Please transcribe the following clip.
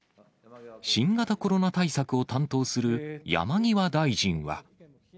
新型コロナ対策を担当する山際大臣は。